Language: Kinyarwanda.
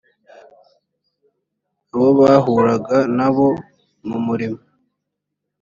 abo bahuraga na bo mu murimo